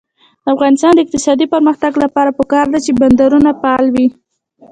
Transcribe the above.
د افغانستان د اقتصادي پرمختګ لپاره پکار ده چې بندرونه فعال وي.